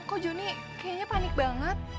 kok joni kayaknya panik banget